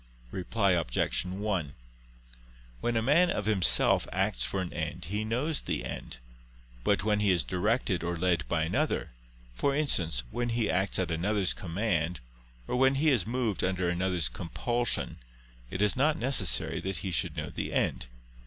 Reply Obj. 1: When a man of himself acts for an end, he knows the end: but when he is directed or led by another, for instance, when he acts at another's command, or when he is moved under another's compulsion, it is not necessary that he should know the end.